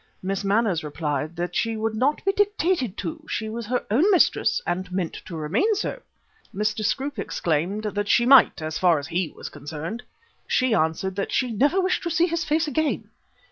Miss Manners replied that she would not be dictated to; she was her own mistress and meant to remain so. Mr. Scroope exclaimed that she might so far as he was concerned. She answered that she never wished to see his face again.